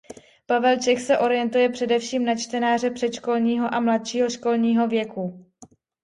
Pavel Čech se orientuje především na čtenáře předškolního a mladšího školního věku.